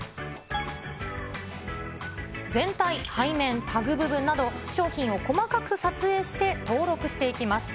全体、背面、タグ部分など、商品を細かく撮影して、登録していきます。